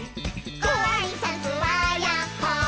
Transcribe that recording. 「ごあいさつはやっほー☆」